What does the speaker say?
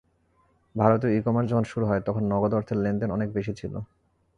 ভারতেও ই-কমার্স যখন শুরু হয়, তখন নগদ অর্থের লেনদেন অনেক বেশি ছিল।